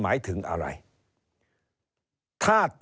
เริ่มตั้งแต่หาเสียงสมัครลง